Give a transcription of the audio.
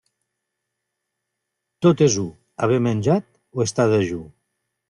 Tot és u, haver menjat o estar dejú.